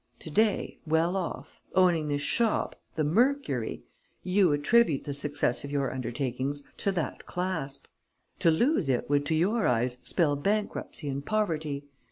To day, well off, owning this shop, "The Mercury," you attribute the success of your undertakings to that clasp. To lose it would to your eyes spell bankruptcy and poverty.